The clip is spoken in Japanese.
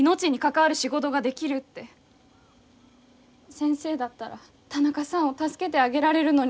先生だったら田中さんを助けてあげられるのに。